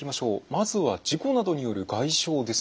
まずは事故などによる外傷ですね。